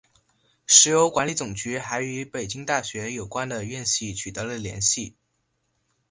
石油管理总局还与北京大学有关的院系取得了联系。